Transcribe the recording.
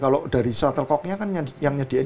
kalau dari shuttlecocknya kan yang jadiin